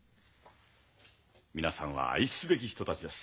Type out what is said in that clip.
皆さんは愛すべき人たちです。